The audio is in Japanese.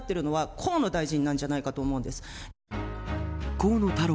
河野太郎